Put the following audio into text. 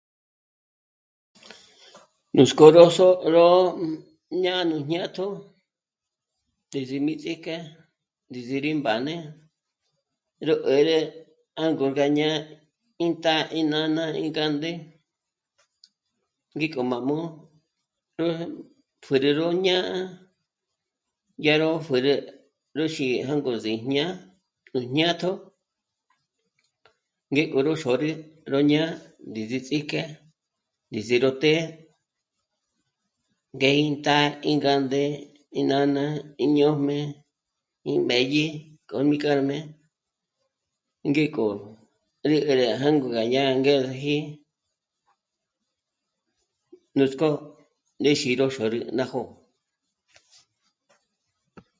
Nuts'k'ó ro sò'... ró... jñá'a nú jñátjo ndízi mí ts'ijk'e, ndíziri mbáne... rú 'ä́rü jângor gá ñá'a íntá'a, ínána, íngánde mí kjo má jmù'u ró... pjúru ñôna dyá ró ñús'i jângozi jñá'a k'u jñátjo ngék'o ró xôrü ró ñá'a ndízi ts'íjke ndízi ró të́'ë ngé íntá'a, íngánde, ínána, íñójme, ímbédyi k'o mi k'árme, ngéko... rí 'ä́rü jângo rá yá angezeji... nuts'kó ndéxi ró xôrü ná jó'o